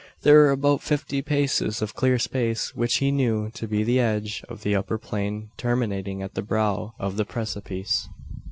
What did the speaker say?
There were about fifty paces of clear space, which he knew to be the edge of the upper plain terminating at the brow of the precipice.